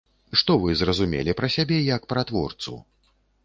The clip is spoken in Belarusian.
Што вы зразумелі пра сябе як пра творцу?